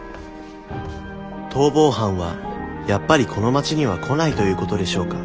逃亡犯はやっぱりこの町には来ないということでしょうか？